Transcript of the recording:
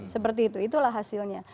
seperti itu itulah hasilnya